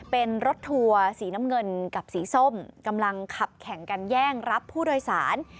เป็นรถทัวร์สีน้ำเงินกับสีส้มกำลังขับแข่งกันแย่งรับผู้โดยสาร